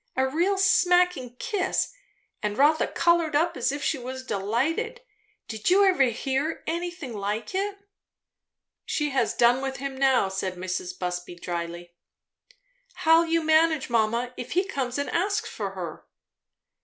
a real smacking kiss; and Rotha coloured up as if she was delighted. Did you ever hear anything like it?" "She has done with him now," said Mrs. Busby drily. "How'll you manage, mamma, if he comes and asks for her?"